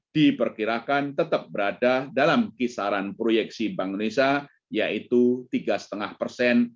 dua ribu dua puluh satu diperkirakan tetap berada dalam kisaran proyeksi bank indonesia yaitu tiga setengah persen